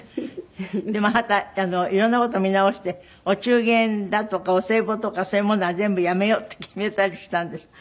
でもあなたはいろんな事を見直してお中元だとかお歳暮とかそういうものは全部やめようって決めたりしたんですって？